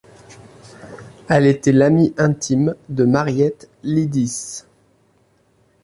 Elle était l'amie intime de Mariette Lydis.